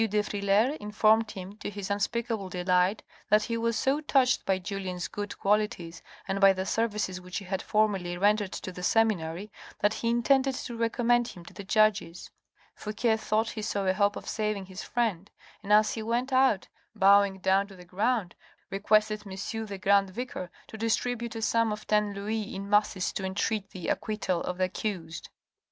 de Frilair informed him, to his unspeakable delight, that he was so touched by Julien's good qualities, and by the services which he had formerly rendered to the seminary, that he intended to recommend him to the judges. Fouque thought he saw a hope of saving his friend, and as he went out, bowing down to the ground, requested M. the grand vicar, to distribute a sum of ten louis in masses to entreat the acquittal of the accused.